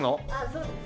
そうです。